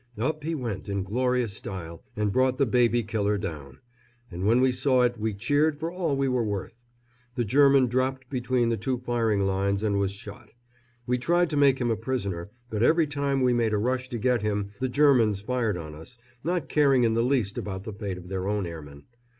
Up he went, in glorious style, and brought the baby killer down; and when we saw it we cheered for all we were worth. The German dropped between the two firing lines and was shot. We tried to make him a prisoner, but every time we made a rush to get him the Germans fired on us, not caring in the least about the fate of their own airman.